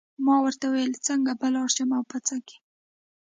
ما ورته وویل څنګه به لاړ شم او په څه کې.